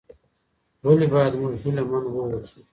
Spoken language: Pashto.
ولي بايد موږ هيله من واوسو؟